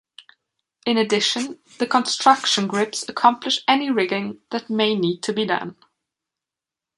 In addition, the construction grips accomplish any rigging that may need to be done.